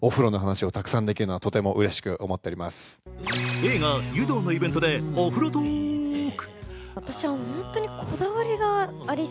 映画「湯道」のイベントでお風呂トーク。